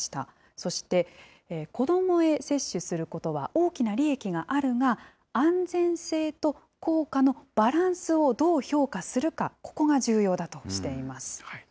そして子どもへ接種することは大きな利益があるが、安全性と効果のバランスをどう評価するか、ここが重要だとしています。